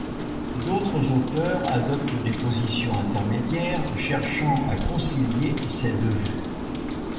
D'autres auteurs adoptent des positions intermédiaires, cherchant à concilier ces deux vues.